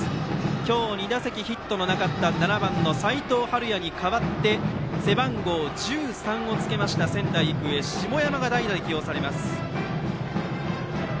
今日２打席ヒットがなかった７番の齋藤敏哉に代わって背番号１３をつけました仙台育英、下山が代打で起用されます。